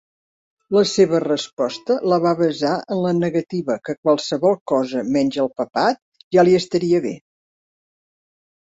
La seva resposta la va basar en la negativa que 'qualsevol cosa menys el papat' ja li estaria bé.